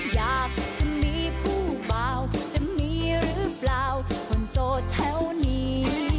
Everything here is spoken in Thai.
อยากจะมีผู้เบาจะมีหรือเปล่าคนโสดแถวนี้